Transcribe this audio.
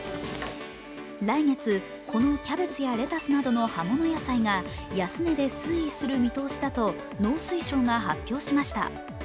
来月、このキャベツやレタスなどの葉物野菜が安値で推移する見通しだと農水省が発表しました。